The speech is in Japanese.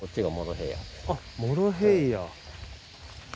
あっモロヘイヤ。